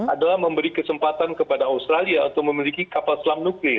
adalah memberi kesempatan kepada australia untuk memiliki kapal selam nuklir